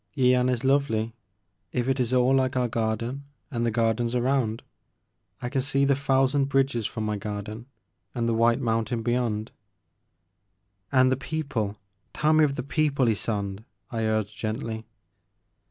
Yian is lovely, — if it is all like our garden and the gardens around. I can see the thousand bridges from my garden and the white mountain beyond —" "And the people — tell me of the people, Ysonde !" I urged gently.